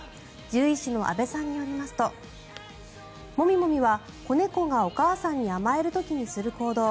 獣医師の阿部さんによりますとモミモミは子猫がお母さんに甘える時にする行動。